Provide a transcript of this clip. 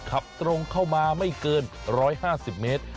ขับตรงเข้ามาไม่เกิน๑๕๐เมตร